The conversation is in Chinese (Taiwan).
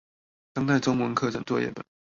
當代中文課程作業本